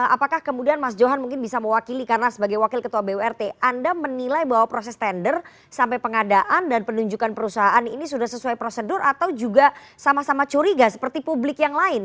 apakah kemudian mas johan mungkin bisa mewakili karena sebagai wakil ketua burt anda menilai bahwa proses tender sampai pengadaan dan penunjukan perusahaan ini sudah sesuai prosedur atau juga sama sama curiga seperti publik yang lain